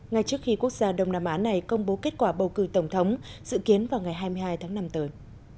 ngay trước khi quốc gia đông nam á này công bố kết quả bầu cử tổng thống dự kiến vào ngày hai mươi hai tháng năm tới